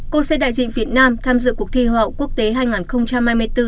cô sẽ đại diện việt nam tham dự cuộc thi hoa hậu quốc tế